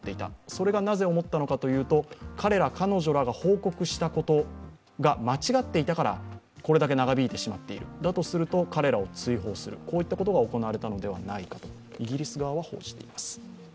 それがなぜ思ったのかというと彼ら彼女らが報告したことが間違っていたからこれだけ長引いてしまっている、だとすると、彼らを追放する、こういったことが行われたのではないかとイギリス側は報じています。